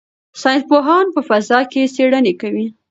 ساینس پوهان په فضا کې څېړنې کوي.